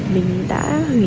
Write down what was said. mình đã hủy